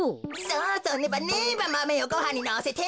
そうそうネバネバマメをごはんにのせて。